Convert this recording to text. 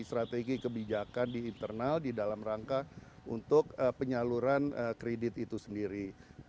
strategi kebijakan di internal di dalam rangka untuk penyaluran kredit itu sendiri